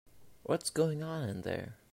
What's going on in there?